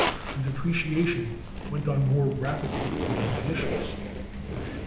The depreciation went on more rapidly than the issues (see Chart No.